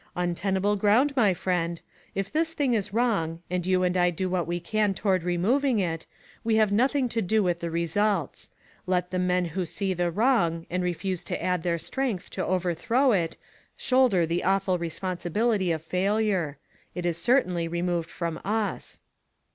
"Untenable ground, my friend. If this thing is wrong, and you and I do what we can toward removing it, we have noth ing to do with results. Let the men who see the wrong, and refuse to add their strength to overthrow it, shoulder the awful responsibility of failure ; it is certainly re moved from us."